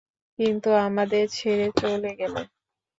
কিন্তু আমাদের ছেড়ে চলে গেল।